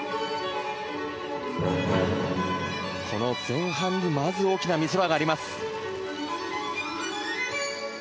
この前半にまず、大きな見せ場があります。